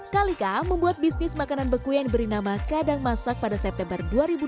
kalika membuat bisnis makanan beku yang diberi nama kadang masak pada september dua ribu dua puluh tiga